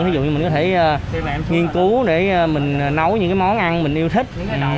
ví dụ như mình có thể nghiên cứu để mình nấu những món ăn mình yêu thích